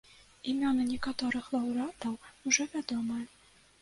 Імёны некаторых лаўрэатаў ужо вядомыя.